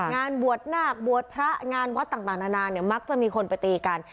งานบวชนาคบวชพระงานวัดต่างนานาเนี่ยมักจะมีคนไปตีกัน